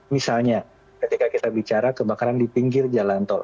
misalnya ketika kita bicara kebakaran di pinggir jalan tol